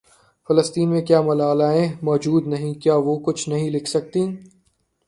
فلسطین میں کیا ملالائیں موجود نہیں کیا وہ کچھ نہیں لکھ سکتیں